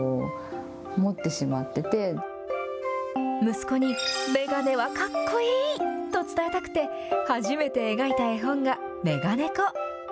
息子に、眼鏡はかっこいい！と伝えたくて、初めて描いた絵本が、めがねこ。